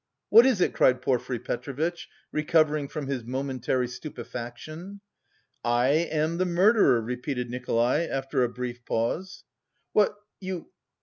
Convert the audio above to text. "What is it?" cried Porfiry Petrovitch, recovering from his momentary stupefaction. "I... am the murderer," repeated Nikolay, after a brief pause. "What... you...